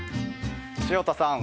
潮田さん